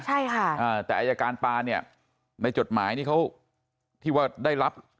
ใช่ค่ะอ่าแต่อายการปาเนี่ยในจดหมายนี่เขาที่ว่าได้รับ